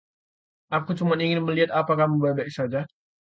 Aku cuma ingin melihat apa kamu baik-baik saja.